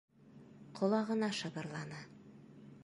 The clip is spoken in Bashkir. Ҡолағына шыбырланы: